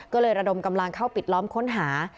ก็เลยระดมกำลังเข้าปิดล้อมค้นหา